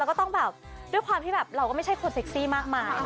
แล้วก็ต้องแบบด้วยความที่แบบเราก็ไม่ใช่คนเซ็กซี่มากมาย